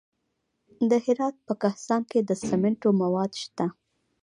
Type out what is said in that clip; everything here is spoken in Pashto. د هرات په کهسان کې د سمنټو مواد شته.